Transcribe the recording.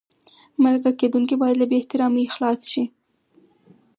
مرکه کېدونکی باید له بې احترامۍ خلاص شي.